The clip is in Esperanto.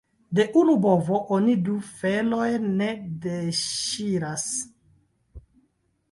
De unu bovo oni du felojn ne deŝiras.